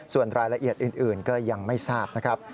ส่วนรายละเอียดอื่นก็ยังไม่ทราบนะครับ